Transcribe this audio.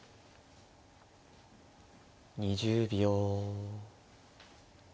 ２０秒。